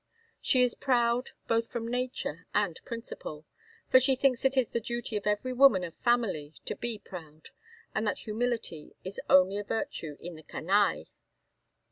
She is proud, both from nature and principle; for she thinks it is the duty of every woman of family to be proud, and that humility is only a virtue in the _canaille.